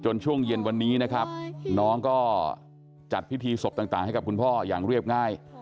จนช่วงเย็นวันนี้น้องจัดพิธีศพต่างให้กับพ่ออย่างเรียบง่าย